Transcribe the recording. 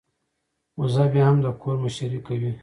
وزه بيا هم د کور مشرۍ کوي.